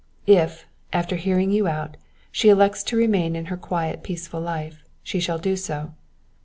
_ "_If, after hearing you out, she elects to remain in her quiet peaceful life, she shall do so.